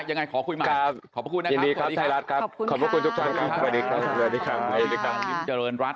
ยังไงขอคุยใหม่ขอบคุณนะครับสวัสดีครับ